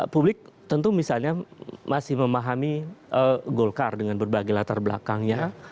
publik tentu misalnya masih memahami golkar dengan berbagai latar belakangnya